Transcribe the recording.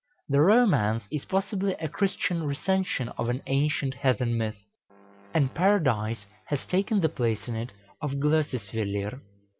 The romance is possibly a Christian recension of an ancient heathen myth; and Paradise has taken the place in it of Glœsisvellir.